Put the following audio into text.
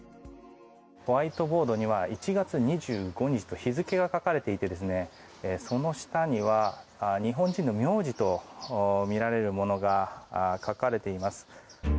ホワイトボードには１月２５日と日付が書かれていてその下には日本人の名字とみられるものが書かれています。